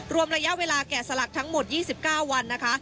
รวมระยะเวลาแก่สลักทั้งหมด๒๙วันนะคะ